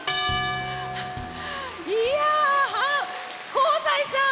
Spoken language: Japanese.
香西さん！